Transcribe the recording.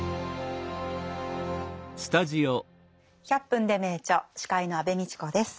「１００分ｄｅ名著」司会の安部みちこです。